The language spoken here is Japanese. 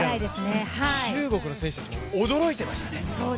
中国の選手、驚いていましたね。